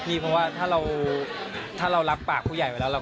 ส่งมาละเดือนหน้า